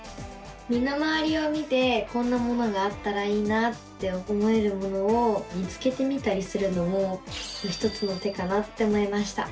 身の回りを見てこんなものがあったらいいなって思えるものを見つけてみたりするのも一つの手かなって思いました。